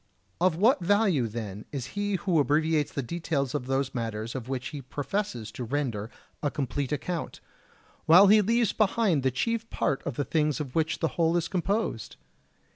Of what value, then, is he who abbreviates the details of those matters of which he professes to render a complete account, while he leaves behind the chief part of the things of which the whole is composed?